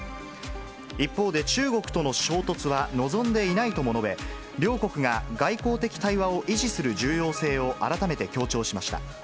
一方で中国との衝突は望んでいないとも述べ、両国が外交的対話を維持する重要性を改めて強調しました。